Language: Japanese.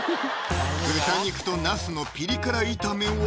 豚肉とナスのピリ辛炒めは？